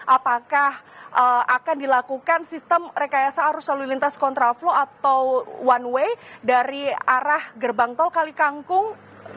apakah akan dilakukan sistem rekayasa arus lalu lintas kontraflow atau one way dari arah gerbang tol kalikangkung